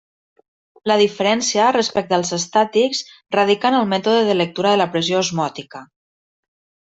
La diferència, respecte dels estàtics, radica en el mètode de lectura de la pressió osmòtica.